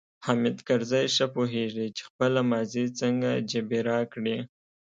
حامد کرزی ښه پوهیږي چې خپله ماضي څنګه جبیره کړي.